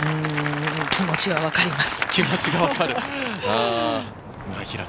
気持ちはわかります。